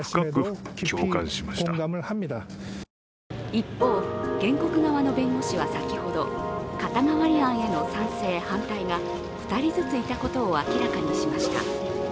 一方、原告側の弁護士は先ほど肩代わり案への賛成・反対が２人ずついたことを明らかにしました。